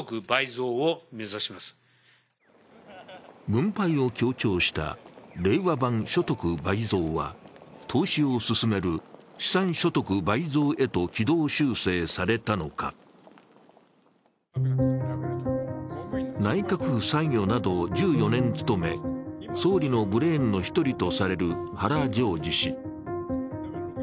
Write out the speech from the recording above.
分配を強調した令和版所得倍増は投資を勧める資産所得倍増へと軌道修正されたのか内閣府参与などを１４年務め、総理のブレーンの１人とされる原丈人氏。